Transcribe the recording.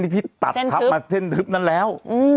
พี่ตัดทับมาเส้นทึบนั้นแล้ว